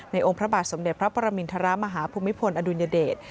องค์พระบาทสมเด็จพระปรมินทรมาฮภูมิพลอดุลยเดช